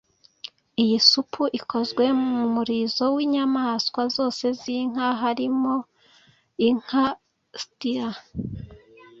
Iyi supu ikozwe mumurizo winyamaswa zose zinka, harimo inka & steer